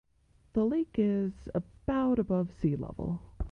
The lake is about above sea level.